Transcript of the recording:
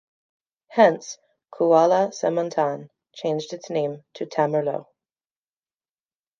Hence, Kuala Semantan changed its name to Temerloh.